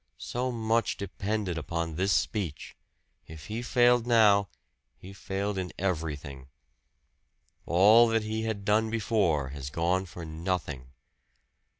So much depended upon this speech! If he failed now, he failed in everything all that he had done before has gone for nothing!